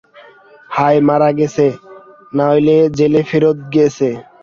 হয় মারা গেছে, নইলে জেলে ফেরত গেছে।